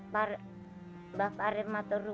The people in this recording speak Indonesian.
mbak pariem menderita allah